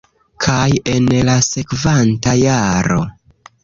kaj en la sekvanta jaro